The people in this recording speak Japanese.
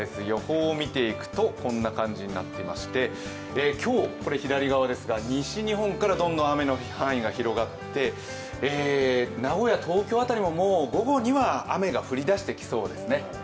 予報を見ていくとこんな感じになっていまして、今日は左側ですが西日本からどんどん雨の範囲が広がって名古屋、東京辺りも、午後には雨が降り出してきそうですね。